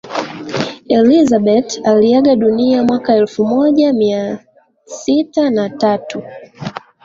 elizabeth aliaga dunia mwaka elfu moja mia sita na tatu